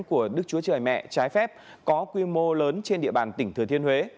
của đức chúa trời mẹ trái phép có quy mô lớn trên địa bàn tỉnh thừa thiên huế